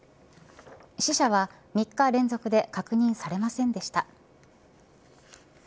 死者は、３日連続で確認されませんでした。